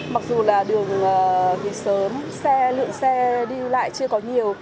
mặc dù là đường từ sớm xe lượng xe đi lại chưa có nhiều